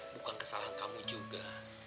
bukan kesalahan kamu juga